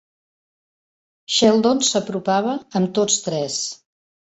Sheldon s"apropava amb tots tres.